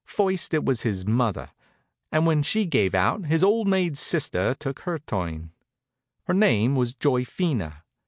First it was his mother, and when she gave out his old maid sister took her turn. Her name was Joyphena.